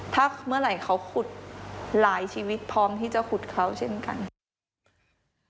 ถ้าเมื่อไหร่เขาขุดหลายชีวิตพร้อมที่จะขุดเขาเช่นกัน